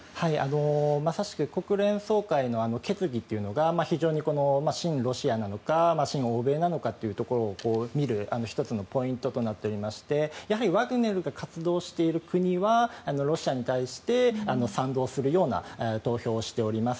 まさしく国連総会の決議っていうのが非常に親ロシアなのか親欧米なのかというのを見る１つのポイントとなっておりましてやはりワグネルが活動している国はロシアに対して賛同するような投票をしております。